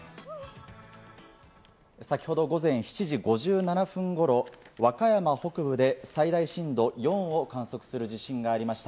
先ほど午前７時５７分頃、和歌山北部で最大震度４を観測する地震がありました。